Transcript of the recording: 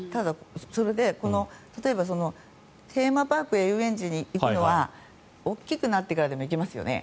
それで、例えばテーマパークや遊園地に行くのは大きくなってからでも行けますよね。